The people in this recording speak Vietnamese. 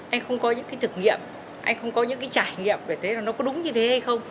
anh không có những cái thực nghiệm anh không có những cái trải nghiệm về thế là nó có đúng như thế hay không